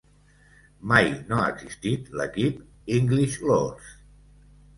Mai no ha existit l'equip English Lords.